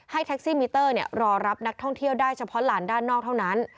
แท็กซี่มิเตอร์รอรับนักท่องเที่ยวได้เฉพาะลานด้านนอกเท่านั้น